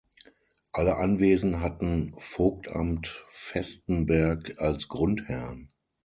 Alle Anwesen hatten Vogtamt Vestenberg als Grundherrn.